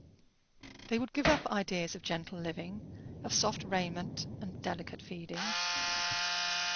They would give up ideas of gentle living, of soft raiment, and delicate feeding.